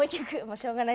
しょうがない。